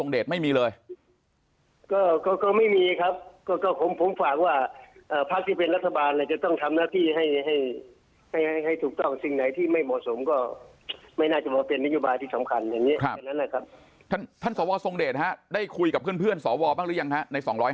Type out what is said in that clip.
ได้คุยกับเพื่อนสาววล์บ้างหรือยังใน๒๕๐